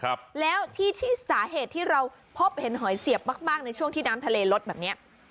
ครับแล้วที่ที่สาเหตุที่เราพบเห็นหอยเสียบมากมากในช่วงที่น้ำทะเลลดแบบเนี้ย